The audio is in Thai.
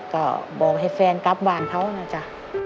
ก็บอกให้แฟนกลับบ้านเขานะจ๊ะ